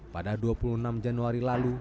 pada dua puluh enam januari lalu